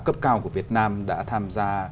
cấp cao của việt nam đã tham gia